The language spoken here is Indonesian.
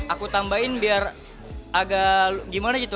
aku tambahin biar agak gimana gitu